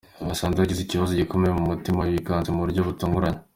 basanze yagize ikibazo gikomeye mu mutima we wikanze mu buryo butunguranye.